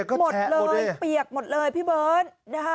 หมดเลยเปียกหมดเลยพี่เบิร์ตนะคะ